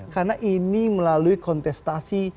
karena ini melalui kontestasi